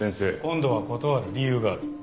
今度は断る理由がある。